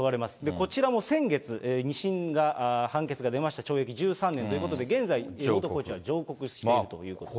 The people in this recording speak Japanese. こちらも先月、２審が判決が出ました、懲役１３年ということで、現在、元コーチは上告しているということです。